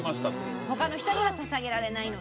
他の人には捧げられない。